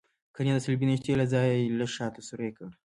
قرنیه د صلبیې د نښتې له ځای لږ شاته سورۍ کړئ.